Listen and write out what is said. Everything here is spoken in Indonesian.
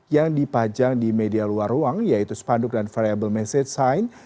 yang dipajang di media luar ruang yaitu spanduk dan variable message sign